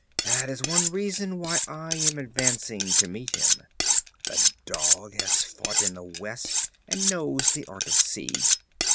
'That is one reason why I am advancing to meet him. The dog has fought in the West and knows the art of siege.